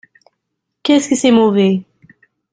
Qu’est-ce que c’est mauvais !